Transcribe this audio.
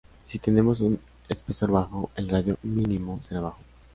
Si tenemos un espesor bajo, el radio mínimo será bajo.